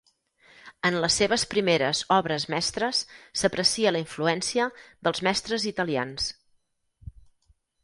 En les seves primeres obres mestres s'aprecia la influència dels mestres italians.